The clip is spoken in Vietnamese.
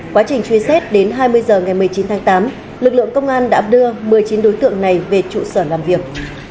quá trình truy xét đến hai mươi h ngày một mươi chín tháng tám lực lượng công an đã đưa một mươi chín đối tượng này về trụ sở làm việc